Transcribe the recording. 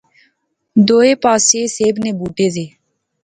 دوئے پاسے سیب نے بوٹے زے